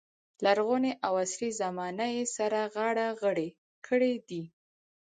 لرغونې او عصري زمانه یې سره غاړه غړۍ کړې دي.